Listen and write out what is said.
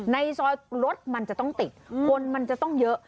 ในซอยรถมันจะต้องติดคนมันจะต้องเยอะ